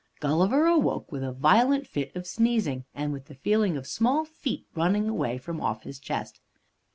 Gulliver awoke with a violent fit of sneezing, and with the feeling of small feet running away from off his chest.